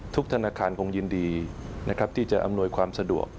ทุกธนาคารคงยินดีที่จะอำนวยความสะดวก